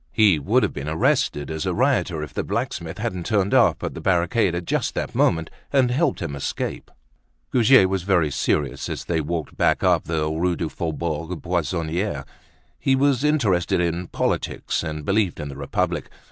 He would have been arrested as a rioter if the blacksmith hadn't turned up at the barricade at just that moment and helped him escape. Goujet was very serious as they walked back up the Rue du Faubourg Poissonniere. He was interested in politics and believed in the Republic.